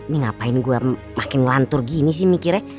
nih ngapain gue makin ngelantur gini sih mikirnya